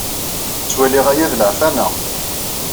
Ttwaliɣ aya d leɛfana.